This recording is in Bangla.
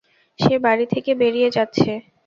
সে বাড়ি থেকে বেরিয়ে যাচ্ছে।